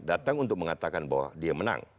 datang untuk mengatakan bahwa dia menang